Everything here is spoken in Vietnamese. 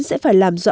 sẽ phải làm rõ